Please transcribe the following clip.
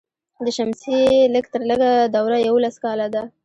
د شمسي لږ تر لږه دوره یوولس کاله ده.